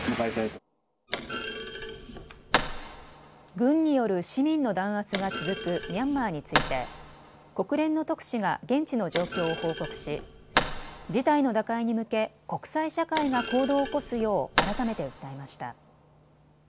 軍による市民の弾圧が続くミャンマーについて国連の特使が現地の状況を報告し、事態の打開に向け、国際社会が行動を起こすよう改めて訴えました。